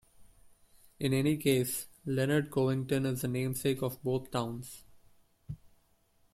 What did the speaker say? In any case, Leonard Covington is the namesake of both towns.